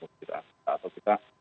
persidangan atau kita